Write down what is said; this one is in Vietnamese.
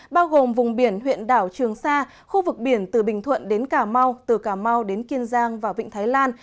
bao gồm vùng biển huyện đảo trường sa khu vực biển từ bình thuận đến cà mau từ cà mau đến kiên giang và vịnh thái lan